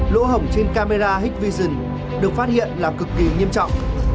lỗ hổng trên camera hitvision được phát hiện là cực kỳ nghiêm trọng